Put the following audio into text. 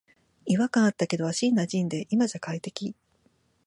違和感あったけど足になじんで今じゃ快適